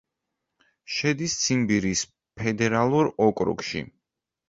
შედის ციმბირის ფედერალურ ოკრუგში.